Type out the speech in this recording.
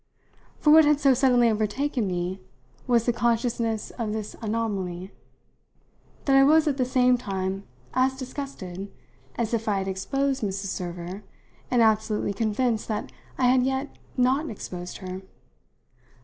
For what had so suddenly overtaken me was the consciousness of this anomaly: that I was at the same time as disgusted as if I had exposed Mrs. Server and absolutely convinced that I had yet not exposed her.